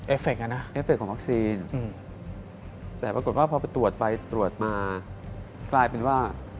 เอฟเฟคกันนะ